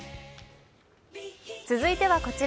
続いてはこちら。